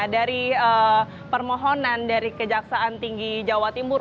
dari permohonan dari kejaksaan tinggi jawa timur